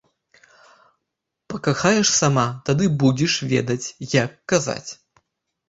Пакахаеш сама, тады будзеш ведаць, як казаць…